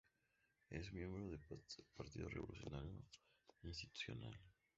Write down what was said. Es miembro del Partido Revolucionario Institucional.